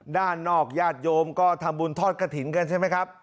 ด้านนอกญาติโยมก็ทำบุญทอดกระถิ่นกันใช่ไหมครับ